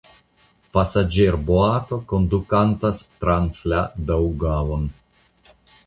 Pasaĝerboato kondukantas trans la Daŭgavon.